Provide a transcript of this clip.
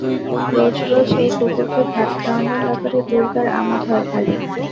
রোজ রোজ এই কুকুরকে ভাত খাওয়ানোর ব্যাপারে দুর্গার আমোদ হয় ভারি।